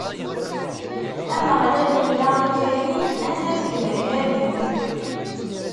Ameɣlal inna i Kayin: Anda-t gma-k Habil?